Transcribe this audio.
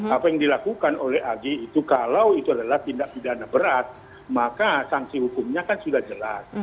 apa yang dilakukan oleh ag itu kalau itu adalah tindak pidana berat maka sanksi hukumnya kan sudah jelas